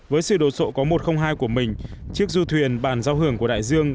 với sự đồ sộ có một trăm linh hai của mình chiếc du thuyền bàn giao hưởng của đại dương